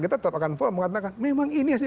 kita tetap akan mengatakan memang ini yang